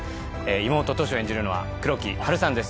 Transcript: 妹トシを演じるのは黒木華さんです。